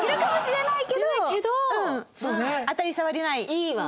いいわ。